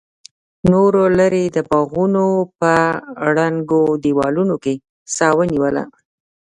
نورو لرې د باغونو په ړنګو دیوالونو کې سا ونیوله.